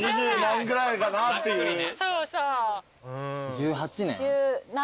１８年？